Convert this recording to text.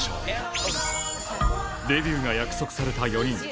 デビューが約束された４人。